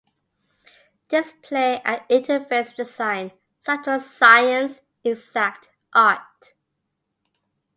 Display and interface design: Subtle science, exact art.